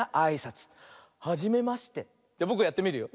じゃぼくがやってみるよ。